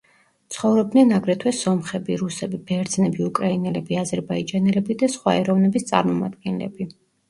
ცხოვრობდნენ აგრეთვე სომხები, რუსები, ბერძნები, უკრაინელები, აზერბაიჯანელები და სხვა ეროვნების წარმომადგენლები.